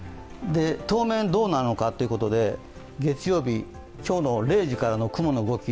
当面どうなのかということで、月曜日、今日０時からの雲の動き。